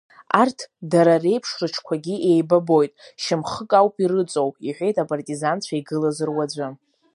Арҭ дара реиԥш, рыҽқәагьы еибабоит, шьамхык ауп ирыҵоу иҳәеит апартизанцәа игылаз руаӡәы.